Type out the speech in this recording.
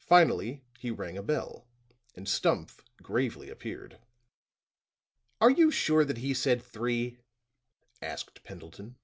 Finally he rang a bell and Stumph gravely appeared. "Are you sure that he said three?" asked Pendleton.